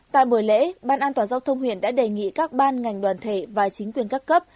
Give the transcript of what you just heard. tại buổi lễ ban an toàn giao thông huyện đã đề nghị các ban ngành đoàn thể và chính quyền các cấp